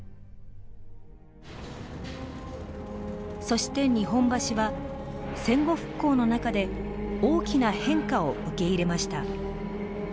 そして日本橋は戦後復興の中で大きな変化を受け入れました。